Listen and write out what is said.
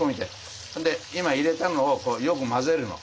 今入れたのをよく混ぜるの。